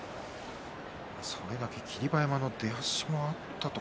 それだけ霧馬山の出足もあったのか。